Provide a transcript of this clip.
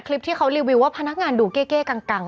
คลิปที่เขารีวิวว่าพนักงานดูเก้กัง